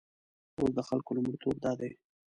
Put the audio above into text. اوس د خلکو لومړیتوب دادی.